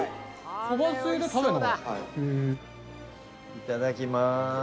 いただきます。